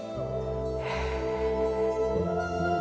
へえ。